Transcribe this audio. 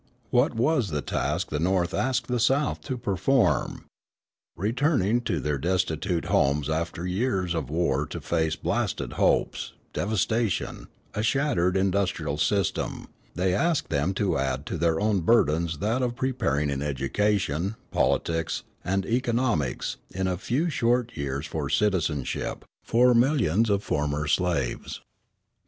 What was the task the North asked the South to perform? Returning to their destitute homes after years of war to face blasted hopes, devastation, a shattered industrial system, they asked them to add to their own burdens that of preparing in education, politics, and economics, in a few short years, for citizenship, four millions of former slaves.